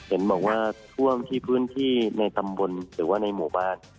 เห็นบอกว่าท่วมที่พื้นที่ในตำบลหรือว่าในหมู่บ้าน